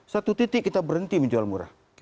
satu titik kita berhenti menjual murah